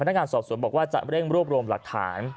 นักงานสอบสวนบอกว่าจะเร่งรวบรวมหลักฐาน